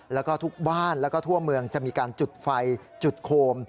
แล้วก็ทุกบ้านแล้วก็ทั่วเมืองจะมีการจุดไฟจุดโคม